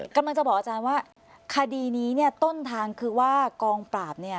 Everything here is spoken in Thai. กำลังจะบอกอาจารย์ว่าคดีนี้เนี่ยต้นทางคือว่ากองปราบเนี่ย